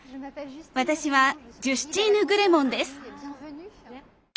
私はジュスチーヌ・グレモンです。